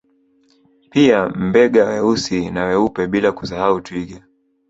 Pia Mbega weusi na weupe bila kusahau Twiga